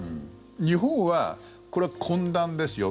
日本はこれは懇談ですよ